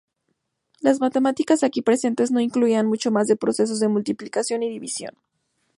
Las matemáticas aquí presentes no incluían mucho más de procesos de multiplicación y división.